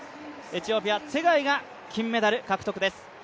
エチオピア、チェガイが金メダル獲得です。